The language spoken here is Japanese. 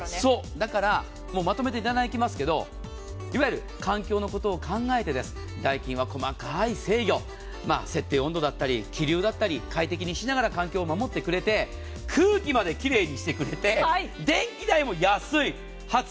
だからまとめて行きますけどいわゆる環境のことを考えてダイキンは細かい制御設定温度だったり気流だったり快適にしながら環境を守ってくれて空気まで奇麗にしてくれて電気代も安い。